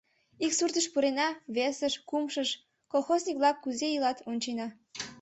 Ик суртыш пурена, весыш, кумшыш — колхозник-влак кузе илат, ончена.